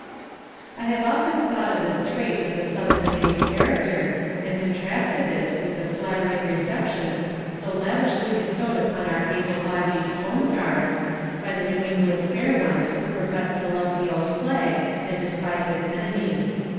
I have often thought of this trait of the Southern ladies' character, and contrasted it with the flattering receptions so lavishly bestowed upon our able bodied "home guards," by the New England fair ones who profess to love the old flag and despise its enemies.